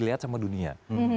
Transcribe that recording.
dilihat sama dunia